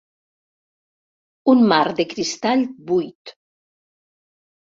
Un mar de cristall buit.